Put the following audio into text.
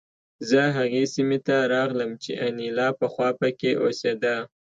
زه هغې سیمې ته راغلم چې انیلا پخوا پکې اوسېده